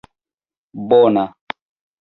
bona